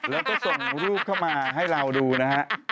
แล้วก็ส่งรูปเข้ามาให้เราดูนะฮะ